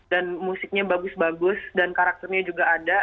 dan musiknya bagus bagus dan karakternya juga ada